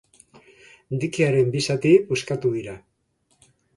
Dikearen bi zati puskatu dira.